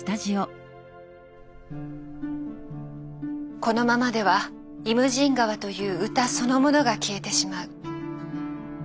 「このままでは『イムジン河』という歌そのものが消えてしまう」。